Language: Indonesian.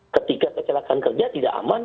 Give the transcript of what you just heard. ketika kecelakaan kerja tidak aman